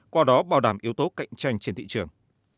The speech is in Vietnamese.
qua đó bảo đảm yếu tố cạnh tranh trên thị trường